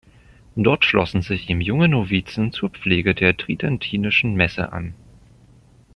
Dort schlossen sich ihm junge Novizen zur Pflege der Tridentinischen Messe an.